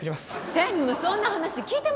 専務そんな話聞いてませんよ！